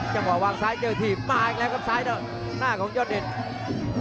จังหวะวางซ้ายเจอถีบมาอีกแล้วครับซ้ายหน้าของยอดเดช